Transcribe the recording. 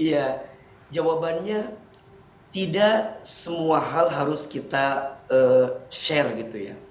iya jawabannya tidak semua hal harus kita share gitu ya